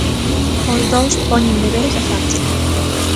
Os dous poñen deberes a Sánchez.